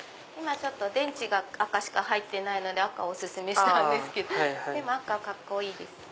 電池が赤しか入ってないので赤をお薦めしたんですけど赤カッコいいです。